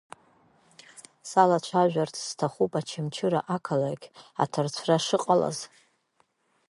Салацәажәарц сҭахуп Очамчыра ақалақь аҭарцәра шыҟалаз.